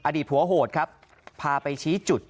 ผัวโหดครับพาไปชี้จุด